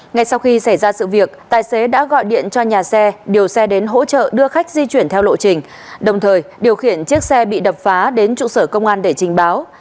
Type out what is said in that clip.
ngay sau khi xảy ra sự việc tài xế đã gọi điện cho nhà xe điều xe đến hỗ trợ đưa khách di chuyển theo lộ trình đồng thời điều khiển chiếc xe bị đập phá đến trụ sở công an để trình báo